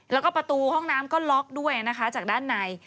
แล้วก็ประตูห้องน้ำก็ล็อกด้วยนะคะจากด้านใน